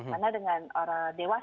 karena dengan orang dewasa divaksin